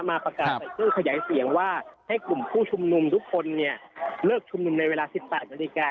มาประกาศใส่เครื่องขยายเสียงว่าให้กลุ่มผู้ชุมนุมทุกคนเนี่ยเลิกชุมนุมในเวลา๑๘นาฬิกา